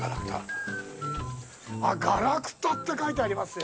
あっ、ガラクタって書いてありますよ。